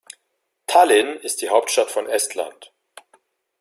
Tallinn ist die Hauptstadt von Estland.